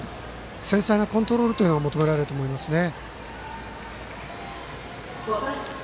繊細なコントロールが求められると思いますね。